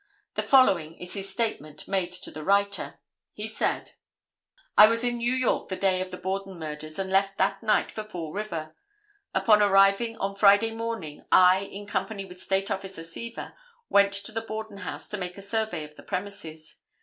The following is his statement made to the writer. He said:— [Illustration: DETECTIVE EDWIN D. MCHENRY.] "I was in New York the day of the Borden murders, and left that night for Fall River. Upon arriving on Friday morning, I, in company with State Officer Seaver, went to the Borden house to make a survey of the premises.